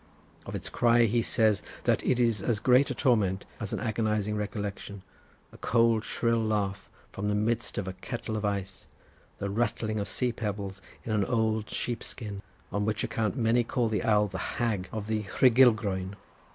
Of its cry he says that it is as great a torment as an agonising recollection, a cold shrill laugh from the midst of a kettle of ice; the rattling of sea pebbles in an old sheep skin, on which account many call the owl the hag of the Rhugylgroen.